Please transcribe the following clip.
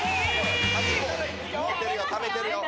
・ためてるよためてるよ。